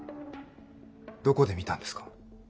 どこで見たんですか？